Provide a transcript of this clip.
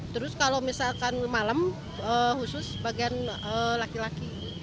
terus kalau misalkan malam khusus bagian laki laki